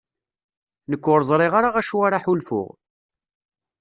Nekk ur ẓriɣ ara acu ara ḥulfuɣ.